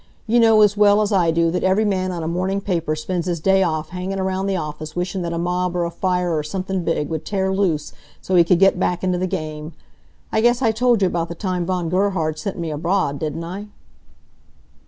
You know as well as I do that every man on a morning paper spends his day off hanging around the office wishin' that a mob or a fire or somethin' big would tear lose so he could get back into the game. I guess I told you about the time Von Gerhard sent me abroad, didn't I?"